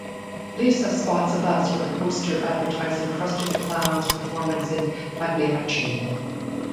Lisa spots a bus with a poster advertising Krusty the Clown's performance in "Pagliacci".